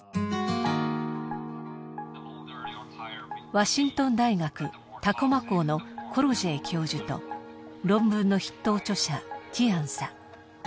ワシントン大学タコマ校のコロジェイ教授と論文の筆頭著者ティアンさん。